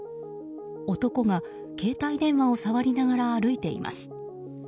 男が携帯電話を触りながら歩いています。